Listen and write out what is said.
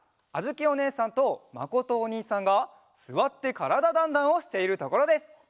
あづきおねえさんとまことおにいさんが「すわってからだ☆ダンダン」をしているところです。